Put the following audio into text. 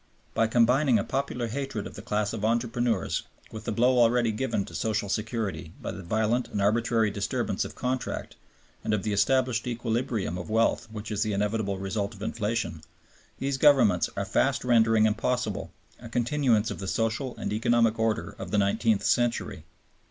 By combining a popular hatred of the class of entrepreneurs with the blow already given to social security by the violent and arbitrary disturbance of contract and of the established equilibrium of wealth which is the inevitable result of inflation, these Governments are fast rendering impossible a continuance of the social and economic order of the nineteenth century.